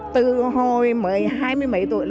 từ hồi hai mươi mấy tuổi